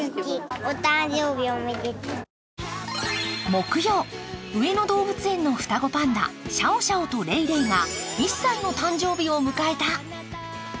木曜、上野動物園の双子パンダシャオシャオとレイレイが１歳の誕生日を迎えた。